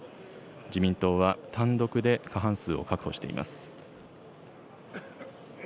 自民党は単独で過半数を確保しています。